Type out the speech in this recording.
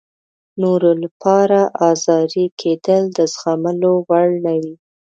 نورو لپاره ازاري کېدل د زغملو وړ نه وي.